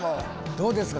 どうですか？